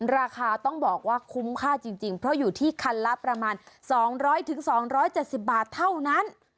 ราคาต้องบอกว่าคุ้มค่าจริงเพราะอยู่ที่คันละประมาณ๒๐๐๒๗๐บาทเท่านั้น